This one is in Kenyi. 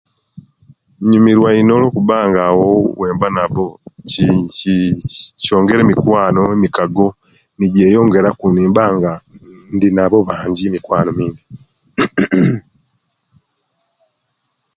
Inyumiruwa ino olwo kubanga awo owemba nabo ki ki kyongera emikwano ino emikago nijeyongera ku nimbanga indinabo bangi emikwano